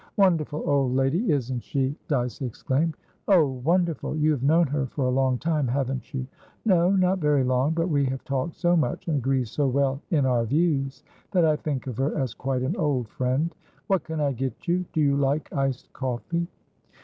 "Wonderful old lady, isn't she?" Dyce exclaimed. "Oh, wonderful! You have known her for a long time, haven't you?" "No, not very long. But we have talked so much, and agree so well in our views, that I think of her as quite an old friend. What can I get you? Do you like iced coffee?"